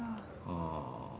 ああ。